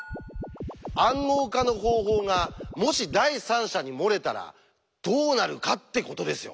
「暗号化の方法」がもし第三者に漏れたらどうなるかってことですよ！